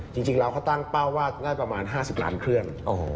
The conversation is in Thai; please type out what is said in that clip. จริงแล้วเขาตั้งเป้าว่าได้ประมาณ๕๐ล้านเครื่อง